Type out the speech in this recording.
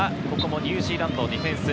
ニュージーランドのディフェンス。